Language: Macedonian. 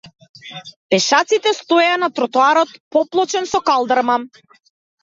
Пешаците стоеја на тротоарот поплочен со калдрма.